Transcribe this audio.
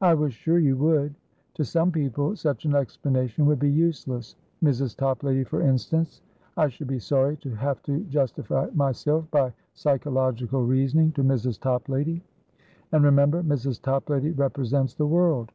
"I was sure you would! To some people, such an explanation would be useless; Mrs. Toplady, for instance. I should be sorry to have to justify myself by psychological reasoning to Mrs. Toplady. And, remember, Mrs. Toplady represents the world.